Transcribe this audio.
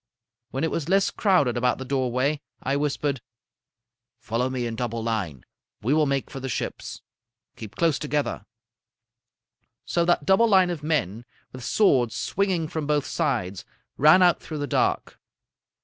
When it was less crowded about the doorway, I whispered: "'Follow me in double line. We will make for the ships. Keep close together.' "So that double line of men, with swords swinging from both sides, ran out through the dark.